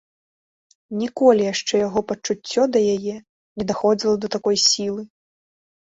Ніколі яшчэ яго пачуццё да яе не даходзіла да такой сілы.